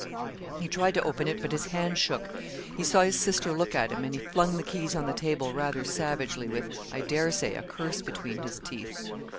He tried to open it, but his hand shook. He saw his sister look at him, and he flung the keys on the table rather savagely, with, I dare say, a curse between his teeth.